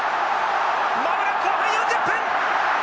間もなく後半４０分。